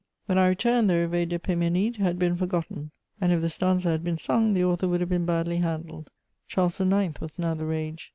When I returned, the Réveil d'Épiménide had been forgotten; and, if the stanza had been sung, the author would have been badly handled. Charles IX. was now the rage.